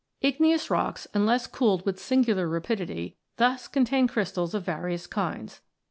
Igneous rocks, unless cooled with singular rapidity, thus contain crystals of various kinds.